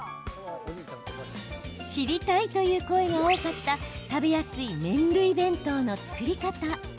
知りたいという声が多かった食べやすい麺類弁当の作り方。